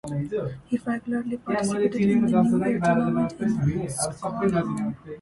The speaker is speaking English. He regularly participated in the New Year tournaments in Stockholm.